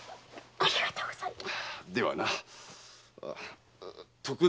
ありがとうございます！